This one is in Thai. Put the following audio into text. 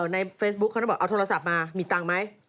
ในเฟซบุ๊คเขาก็บอกเอาโทรศัพท์มามีตังค์ไหม